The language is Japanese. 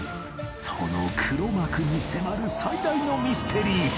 その黒幕に迫る最大のミステリー